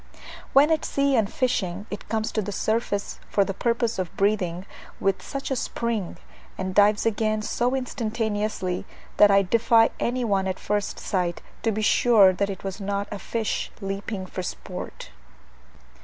When at sea and fishing, it comes to the surface for the purpose of breathing with such a spring, and dives again so instantaneously, that I defy any one at first sight to be sure that it was not a fish leaping for sport.